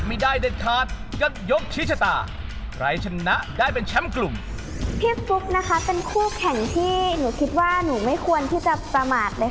พี่ฟลุ๊กนะคะเป็นคู่แข่งที่หนูคิดว่าหนูไม่ควรที่จะประมาทเลยค่ะ